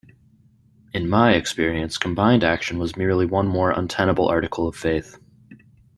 In my experience, combined action was merely one more untenable article of faith.